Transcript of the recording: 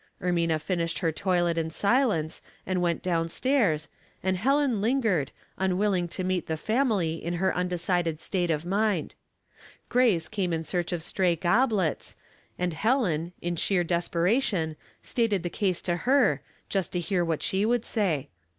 Ermina finished her toilet in silence and went down stairs, and Helen lingered, unwilling to meet the family in her undecided state of mind. Grace came in search of stray goblets, and Helen, in sheer desperation, stated the case to her, just to hear what she would say.